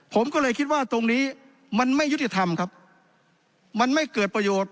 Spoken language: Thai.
ผมก็เลยคิดว่าตรงนี้มันไม่ยุติธรรมครับมันไม่เกิดประโยชน์